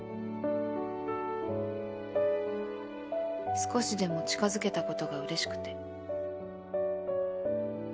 少しでも近づけた事が嬉しくて